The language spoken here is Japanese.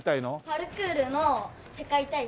パルクールの世界大会の。